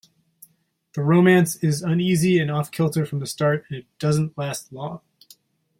The romance is uneasy and off-kilter from the start, and it doesn't last long.